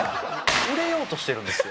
売れようとしてるんですよ。